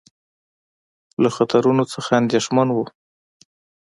له خطرونو څخه اندېښمن وو.